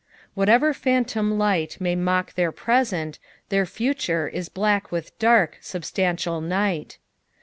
Whatever phantom light may mock their present, their future is black with dark, substantial night.